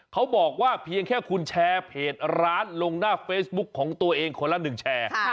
เขาบอกว่าเพียงแค่คุณแชร์เพจร้านลงหน้าเฟซบุ๊คของตัวเองคนละ๑แชร์